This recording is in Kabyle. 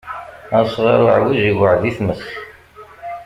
Asɣaṛ uɛwij iweɛɛed i tmes.